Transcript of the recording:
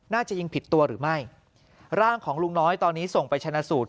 น่าจะยิงผิดตัวหรือไม่ร่างของลุงน้อยตอนนี้ส่งไปชนะสูตร